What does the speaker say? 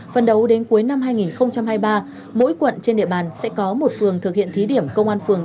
phần đầu đến cuối năm hai nghìn hai mươi ba mỗi quận trên địa bàn sẽ có một phường thực hiện thí điểm công an phường